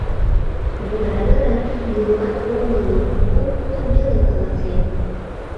— Йӧра, йӧра, нимомат ом ойло, кум мутым веле каласем.